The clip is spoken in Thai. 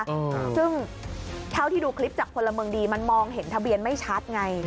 ซึ่งเท่าที่ดูคลิปจากพลเมืองดีมันมองเห็นทะเบียนไม่ชัดไง